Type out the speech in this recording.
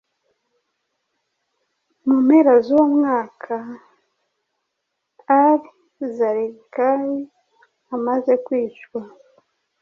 Mu mpera z'uwo mwaka al-Zarqawi amaze kwicwa